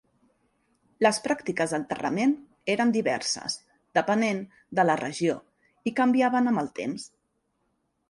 Les pràctiques d'enterrament eren diverses, depenent de la regió i canviaven amb el temps.